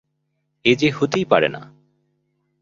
এ যে হইতেই পারে না।